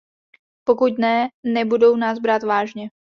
Pokud ne, nebudou nás brát vážně.